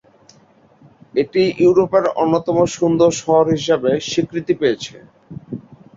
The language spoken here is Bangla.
এটি ইউরোপের অন্যতম সুন্দর শহর হিসাবে স্বীকৃতি পেয়েছে।